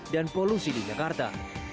dan polusi di yogyakarta